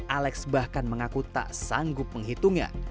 alex bahkan mengaku tak sanggup menghitungnya